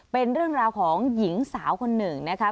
เป็นเรื่องราวของหญิงสาวคนหนึ่งนะคะ